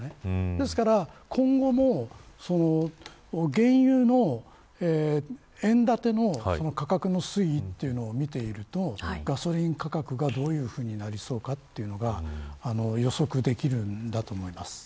ですから今後も原油の円建ての価格推移を見ているとガソリン価格がどういうふうになりそうかというのが予測できるんだと思います。